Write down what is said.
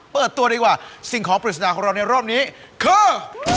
เปิดตัวดีกว่าสิ่งของปริศนาของเราในรอบนี้คือ